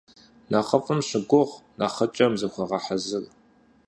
Нэхъыфӏым щыгугъ, нэхъыкӏэм зыхуэгъэхьэзыр.